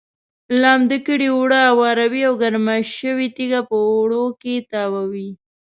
لمده کړې اوړه اواروي او ګرمه شوې تیږه په اوړو کې تاووي.